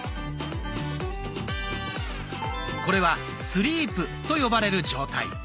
これは「スリープ」と呼ばれる状態。